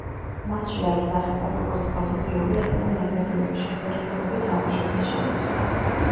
მასში აისახება, როგორც პოზიტიური, ასევე ნეგატიური შეხედულებები თამაშების შესახებ.